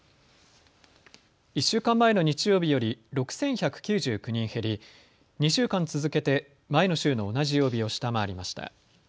１週間前の日曜日より６１９９人減り２週間続けて前の週の同じ曜日を下回りました。